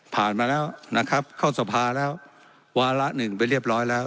ผ่านมาแล้วเข้าสภาแล้ววาระ๑ไปเรียบร้อยแล้ว